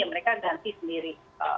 mereka ganti sendiri